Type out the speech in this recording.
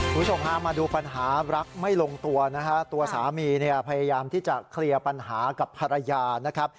ผู้สงฆามาดูปัญหารักไม่ลงตัวตัวสามีพยายามที่จะเคลียร์ปัญหากับภรรยา